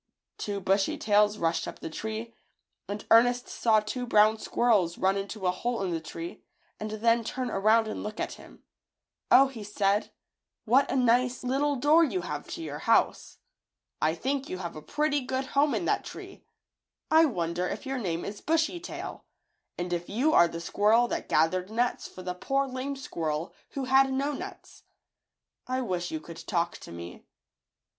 Two bushy tails rushed up the tree, and Ernest saw two brown squirrels run into a hole in the tree and then turn around and look at him. "0," he said, "what a nice FLOWER FAIRIES. little door you have to your house! I think you have a pretty good home in that tree. I wonder if your name is Bushy Tail, and if you are the squirrel that gathered nuts for the poor, lame squirrel who had no nuts. I wish you could talk to me."